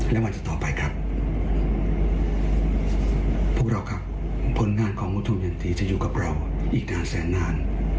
และวันต่อไปครับพวกเราครับผลงานของรัฐมนตรีจะอยู่กับเราอีกนานแสนนาน